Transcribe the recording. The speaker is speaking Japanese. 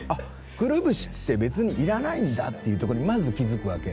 くるぶしって別にいらないんだっていうとこにまず気づくわけ。